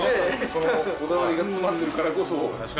そのこだわりが詰まってるからこそ。